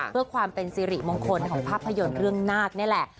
เพื่อความเป็นสิริมงคลของภาพยนตร์เรื่องนาคนี่แหละ